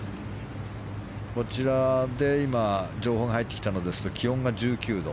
こちらで今情報が入ってきたのですと気温が１９度。